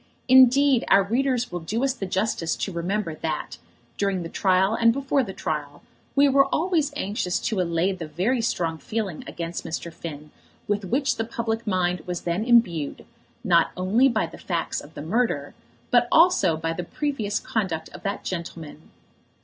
Indeed our readers will do us the justice to remember that, during the trial and before the trial, we were always anxious to allay the very strong feeling against Mr. Finn with which the public mind was then imbued, not only by the facts of the murder, but also by the previous conduct of that gentleman.